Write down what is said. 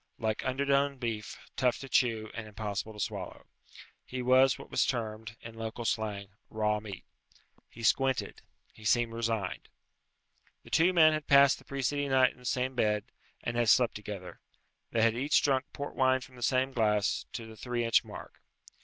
Like underdone beef, tough to chew, and impossible to swallow. He was what was termed, in local slang, raw meat. He squinted. He seemed resigned. The two men had passed the preceding night in the same bed, and had slept together. They had each drunk port wine from the same glass, to the three inch mark.